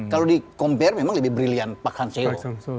kalau di compare memang lebih brilliant pak han seow